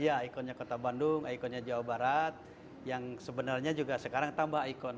iya ikonnya kota bandung ikonnya jawa barat yang sebenarnya juga sekarang tambah ikon